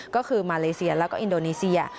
ก็คือมาเลเซียแล้วก็อินโดนีเซีย